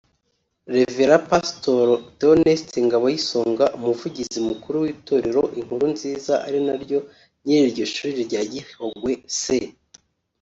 Rev Pastor Theoneste Ngaboyisonga umuvugizi mukuru w’itorero Inkuru-Nziza ari naryo nyiri iryo shuri rya Gihogwe S